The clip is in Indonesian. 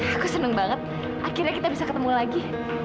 aku senang banget akhirnya kita bisa ketemu lagi